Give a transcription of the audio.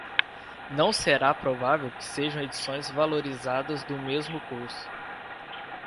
Não será provável que sejam edições valorizadas do mesmo curso.